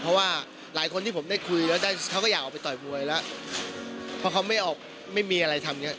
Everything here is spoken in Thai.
เพราะว่าหลายคนที่ผมได้คุยแล้วได้เขาก็อยากออกไปต่อยมวยแล้วเพราะเขาไม่ออกไม่มีอะไรทำอย่างเงี้